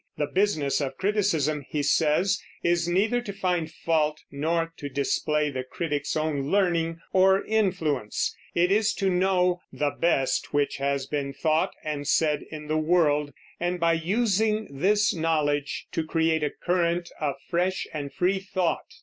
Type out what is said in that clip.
The business of criticism, he says, is neither to find fault nor to display the critic's own learning or influence; it is to know "the best which has been thought and said in the world," and by using this knowledge to create a current of fresh and free thought.